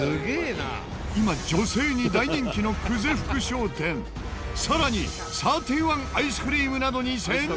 今女性に大人気の久世福商店さらにサーティワンアイスクリームなどに潜入調査！